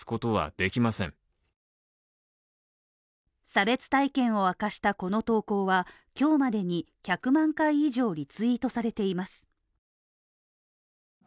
差別体験を明かしたこの投稿は今日までに１００万回以上リツイートされています。